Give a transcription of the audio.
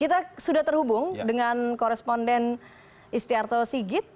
kita sudah terhubung dengan koresponden istiarto sigit